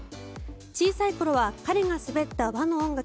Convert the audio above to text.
小さい頃は彼が滑った和の音楽